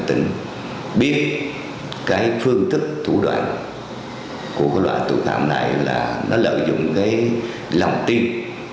tuy nhiên biết cái phương tức thủ đoạn của loại thủ đoạn này là nó lợi dụng cái lòng tin